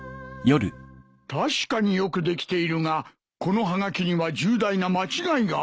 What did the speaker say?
確かによくできているがこのはがきには重大な間違いがある。